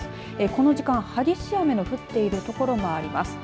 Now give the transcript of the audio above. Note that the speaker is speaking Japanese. この時間、激しい雨の降っている所もあります。